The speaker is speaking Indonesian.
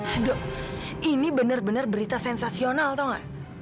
edo ini benar benar berita sensasional tahu nggak